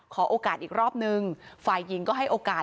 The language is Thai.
ขอโอกาสอีกรอบนึงฝ่ายหญิงก็ให้โอกาส